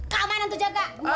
kau mainan tuh jaga